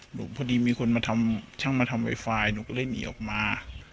พอดีมีคนมาทำช่างมาทำไวไฟหนูก็เลยหนีออกมา